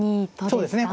そうですね。